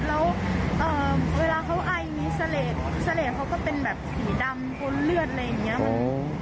แล้วเวลาเขาไอมีเสลดเขาก็เป็นแบบสีดำบนเลือดอะไรอย่างนี้